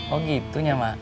oh gitu nya ma